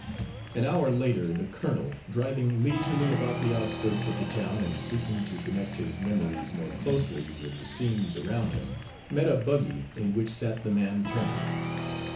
An hour later the colonel, driving leisurely about the outskirts of the town and seeking to connect his memories more closely with the scenes around him, met a buggy in which sat the man Turner.